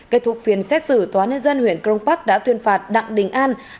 kết thúc phiên xét xử tòa nhân dân huyện crong park đã tuyên phạt đặng đình an